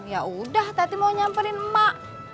ya udah tati mau nyamperin emak